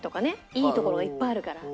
いい所がいっぱいあるから。